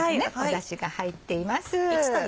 だしが入っています。